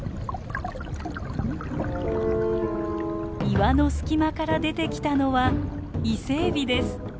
岩の隙間から出てきたのはイセエビです。